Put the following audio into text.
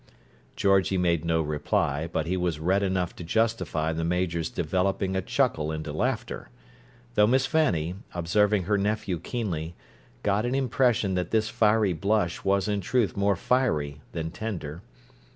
Georgie made no reply, but he was red enough to justify the Major's developing a chuckle into laughter; though Miss Fanny, observing her nephew keenly, got an impression that this fiery blush was in truth more fiery than tender.